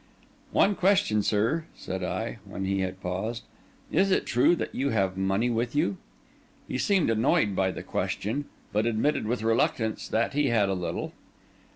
"One question, sir," said I, when he had paused. "Is it true that you have money with you?" He seemed annoyed by the question, but admitted with reluctance that he had a little.